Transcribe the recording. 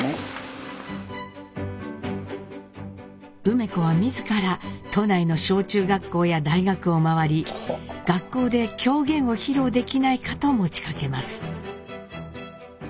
梅子は自ら都内の小中学校や大学を回り学校で狂言を披露できないかと持ちかけます。